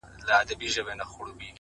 نفیب ټول ژوند د غُلامانو په رکم نیسې؛